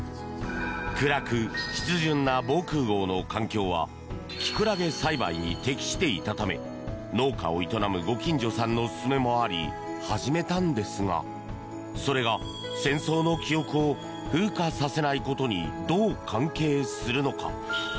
暗く湿潤な防空壕の環境はキクラゲ栽培に適していたため農家を営むご近所さんの勧めもあり始めたのですがそれが戦争の記憶を風化させないことにどう関係するのか？